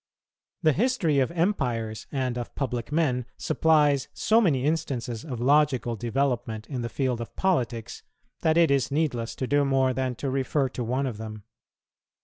The history of empires and of public men supplies so many instances of logical development in the field of politics, that it is needless to do more than to refer to one of them.